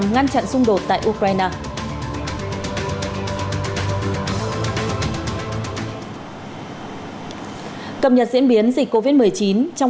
ngoại truyền thống